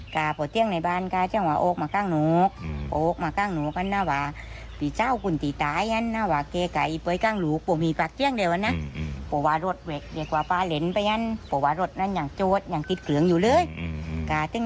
การติ้งหน้าวาปกว่าปีเจ้ากลวงรถหน้าวาพวกเขาต้องกลั้นตรงนึง